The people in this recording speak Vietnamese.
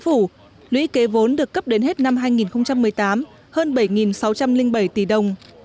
lũy kế vốn được cấp đến hết năm hai nghìn một mươi tám hơn bảy sáu trăm linh bảy tỷ đồng